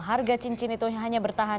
harga cincin itu hanya bertahan